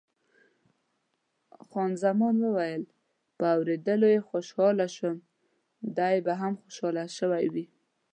خان زمان وویل، په اورېدلو یې خوشاله شوم، دی به هم خوشاله شوی وي.